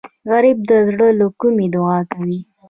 غریب د زړه له کومي دعا کوي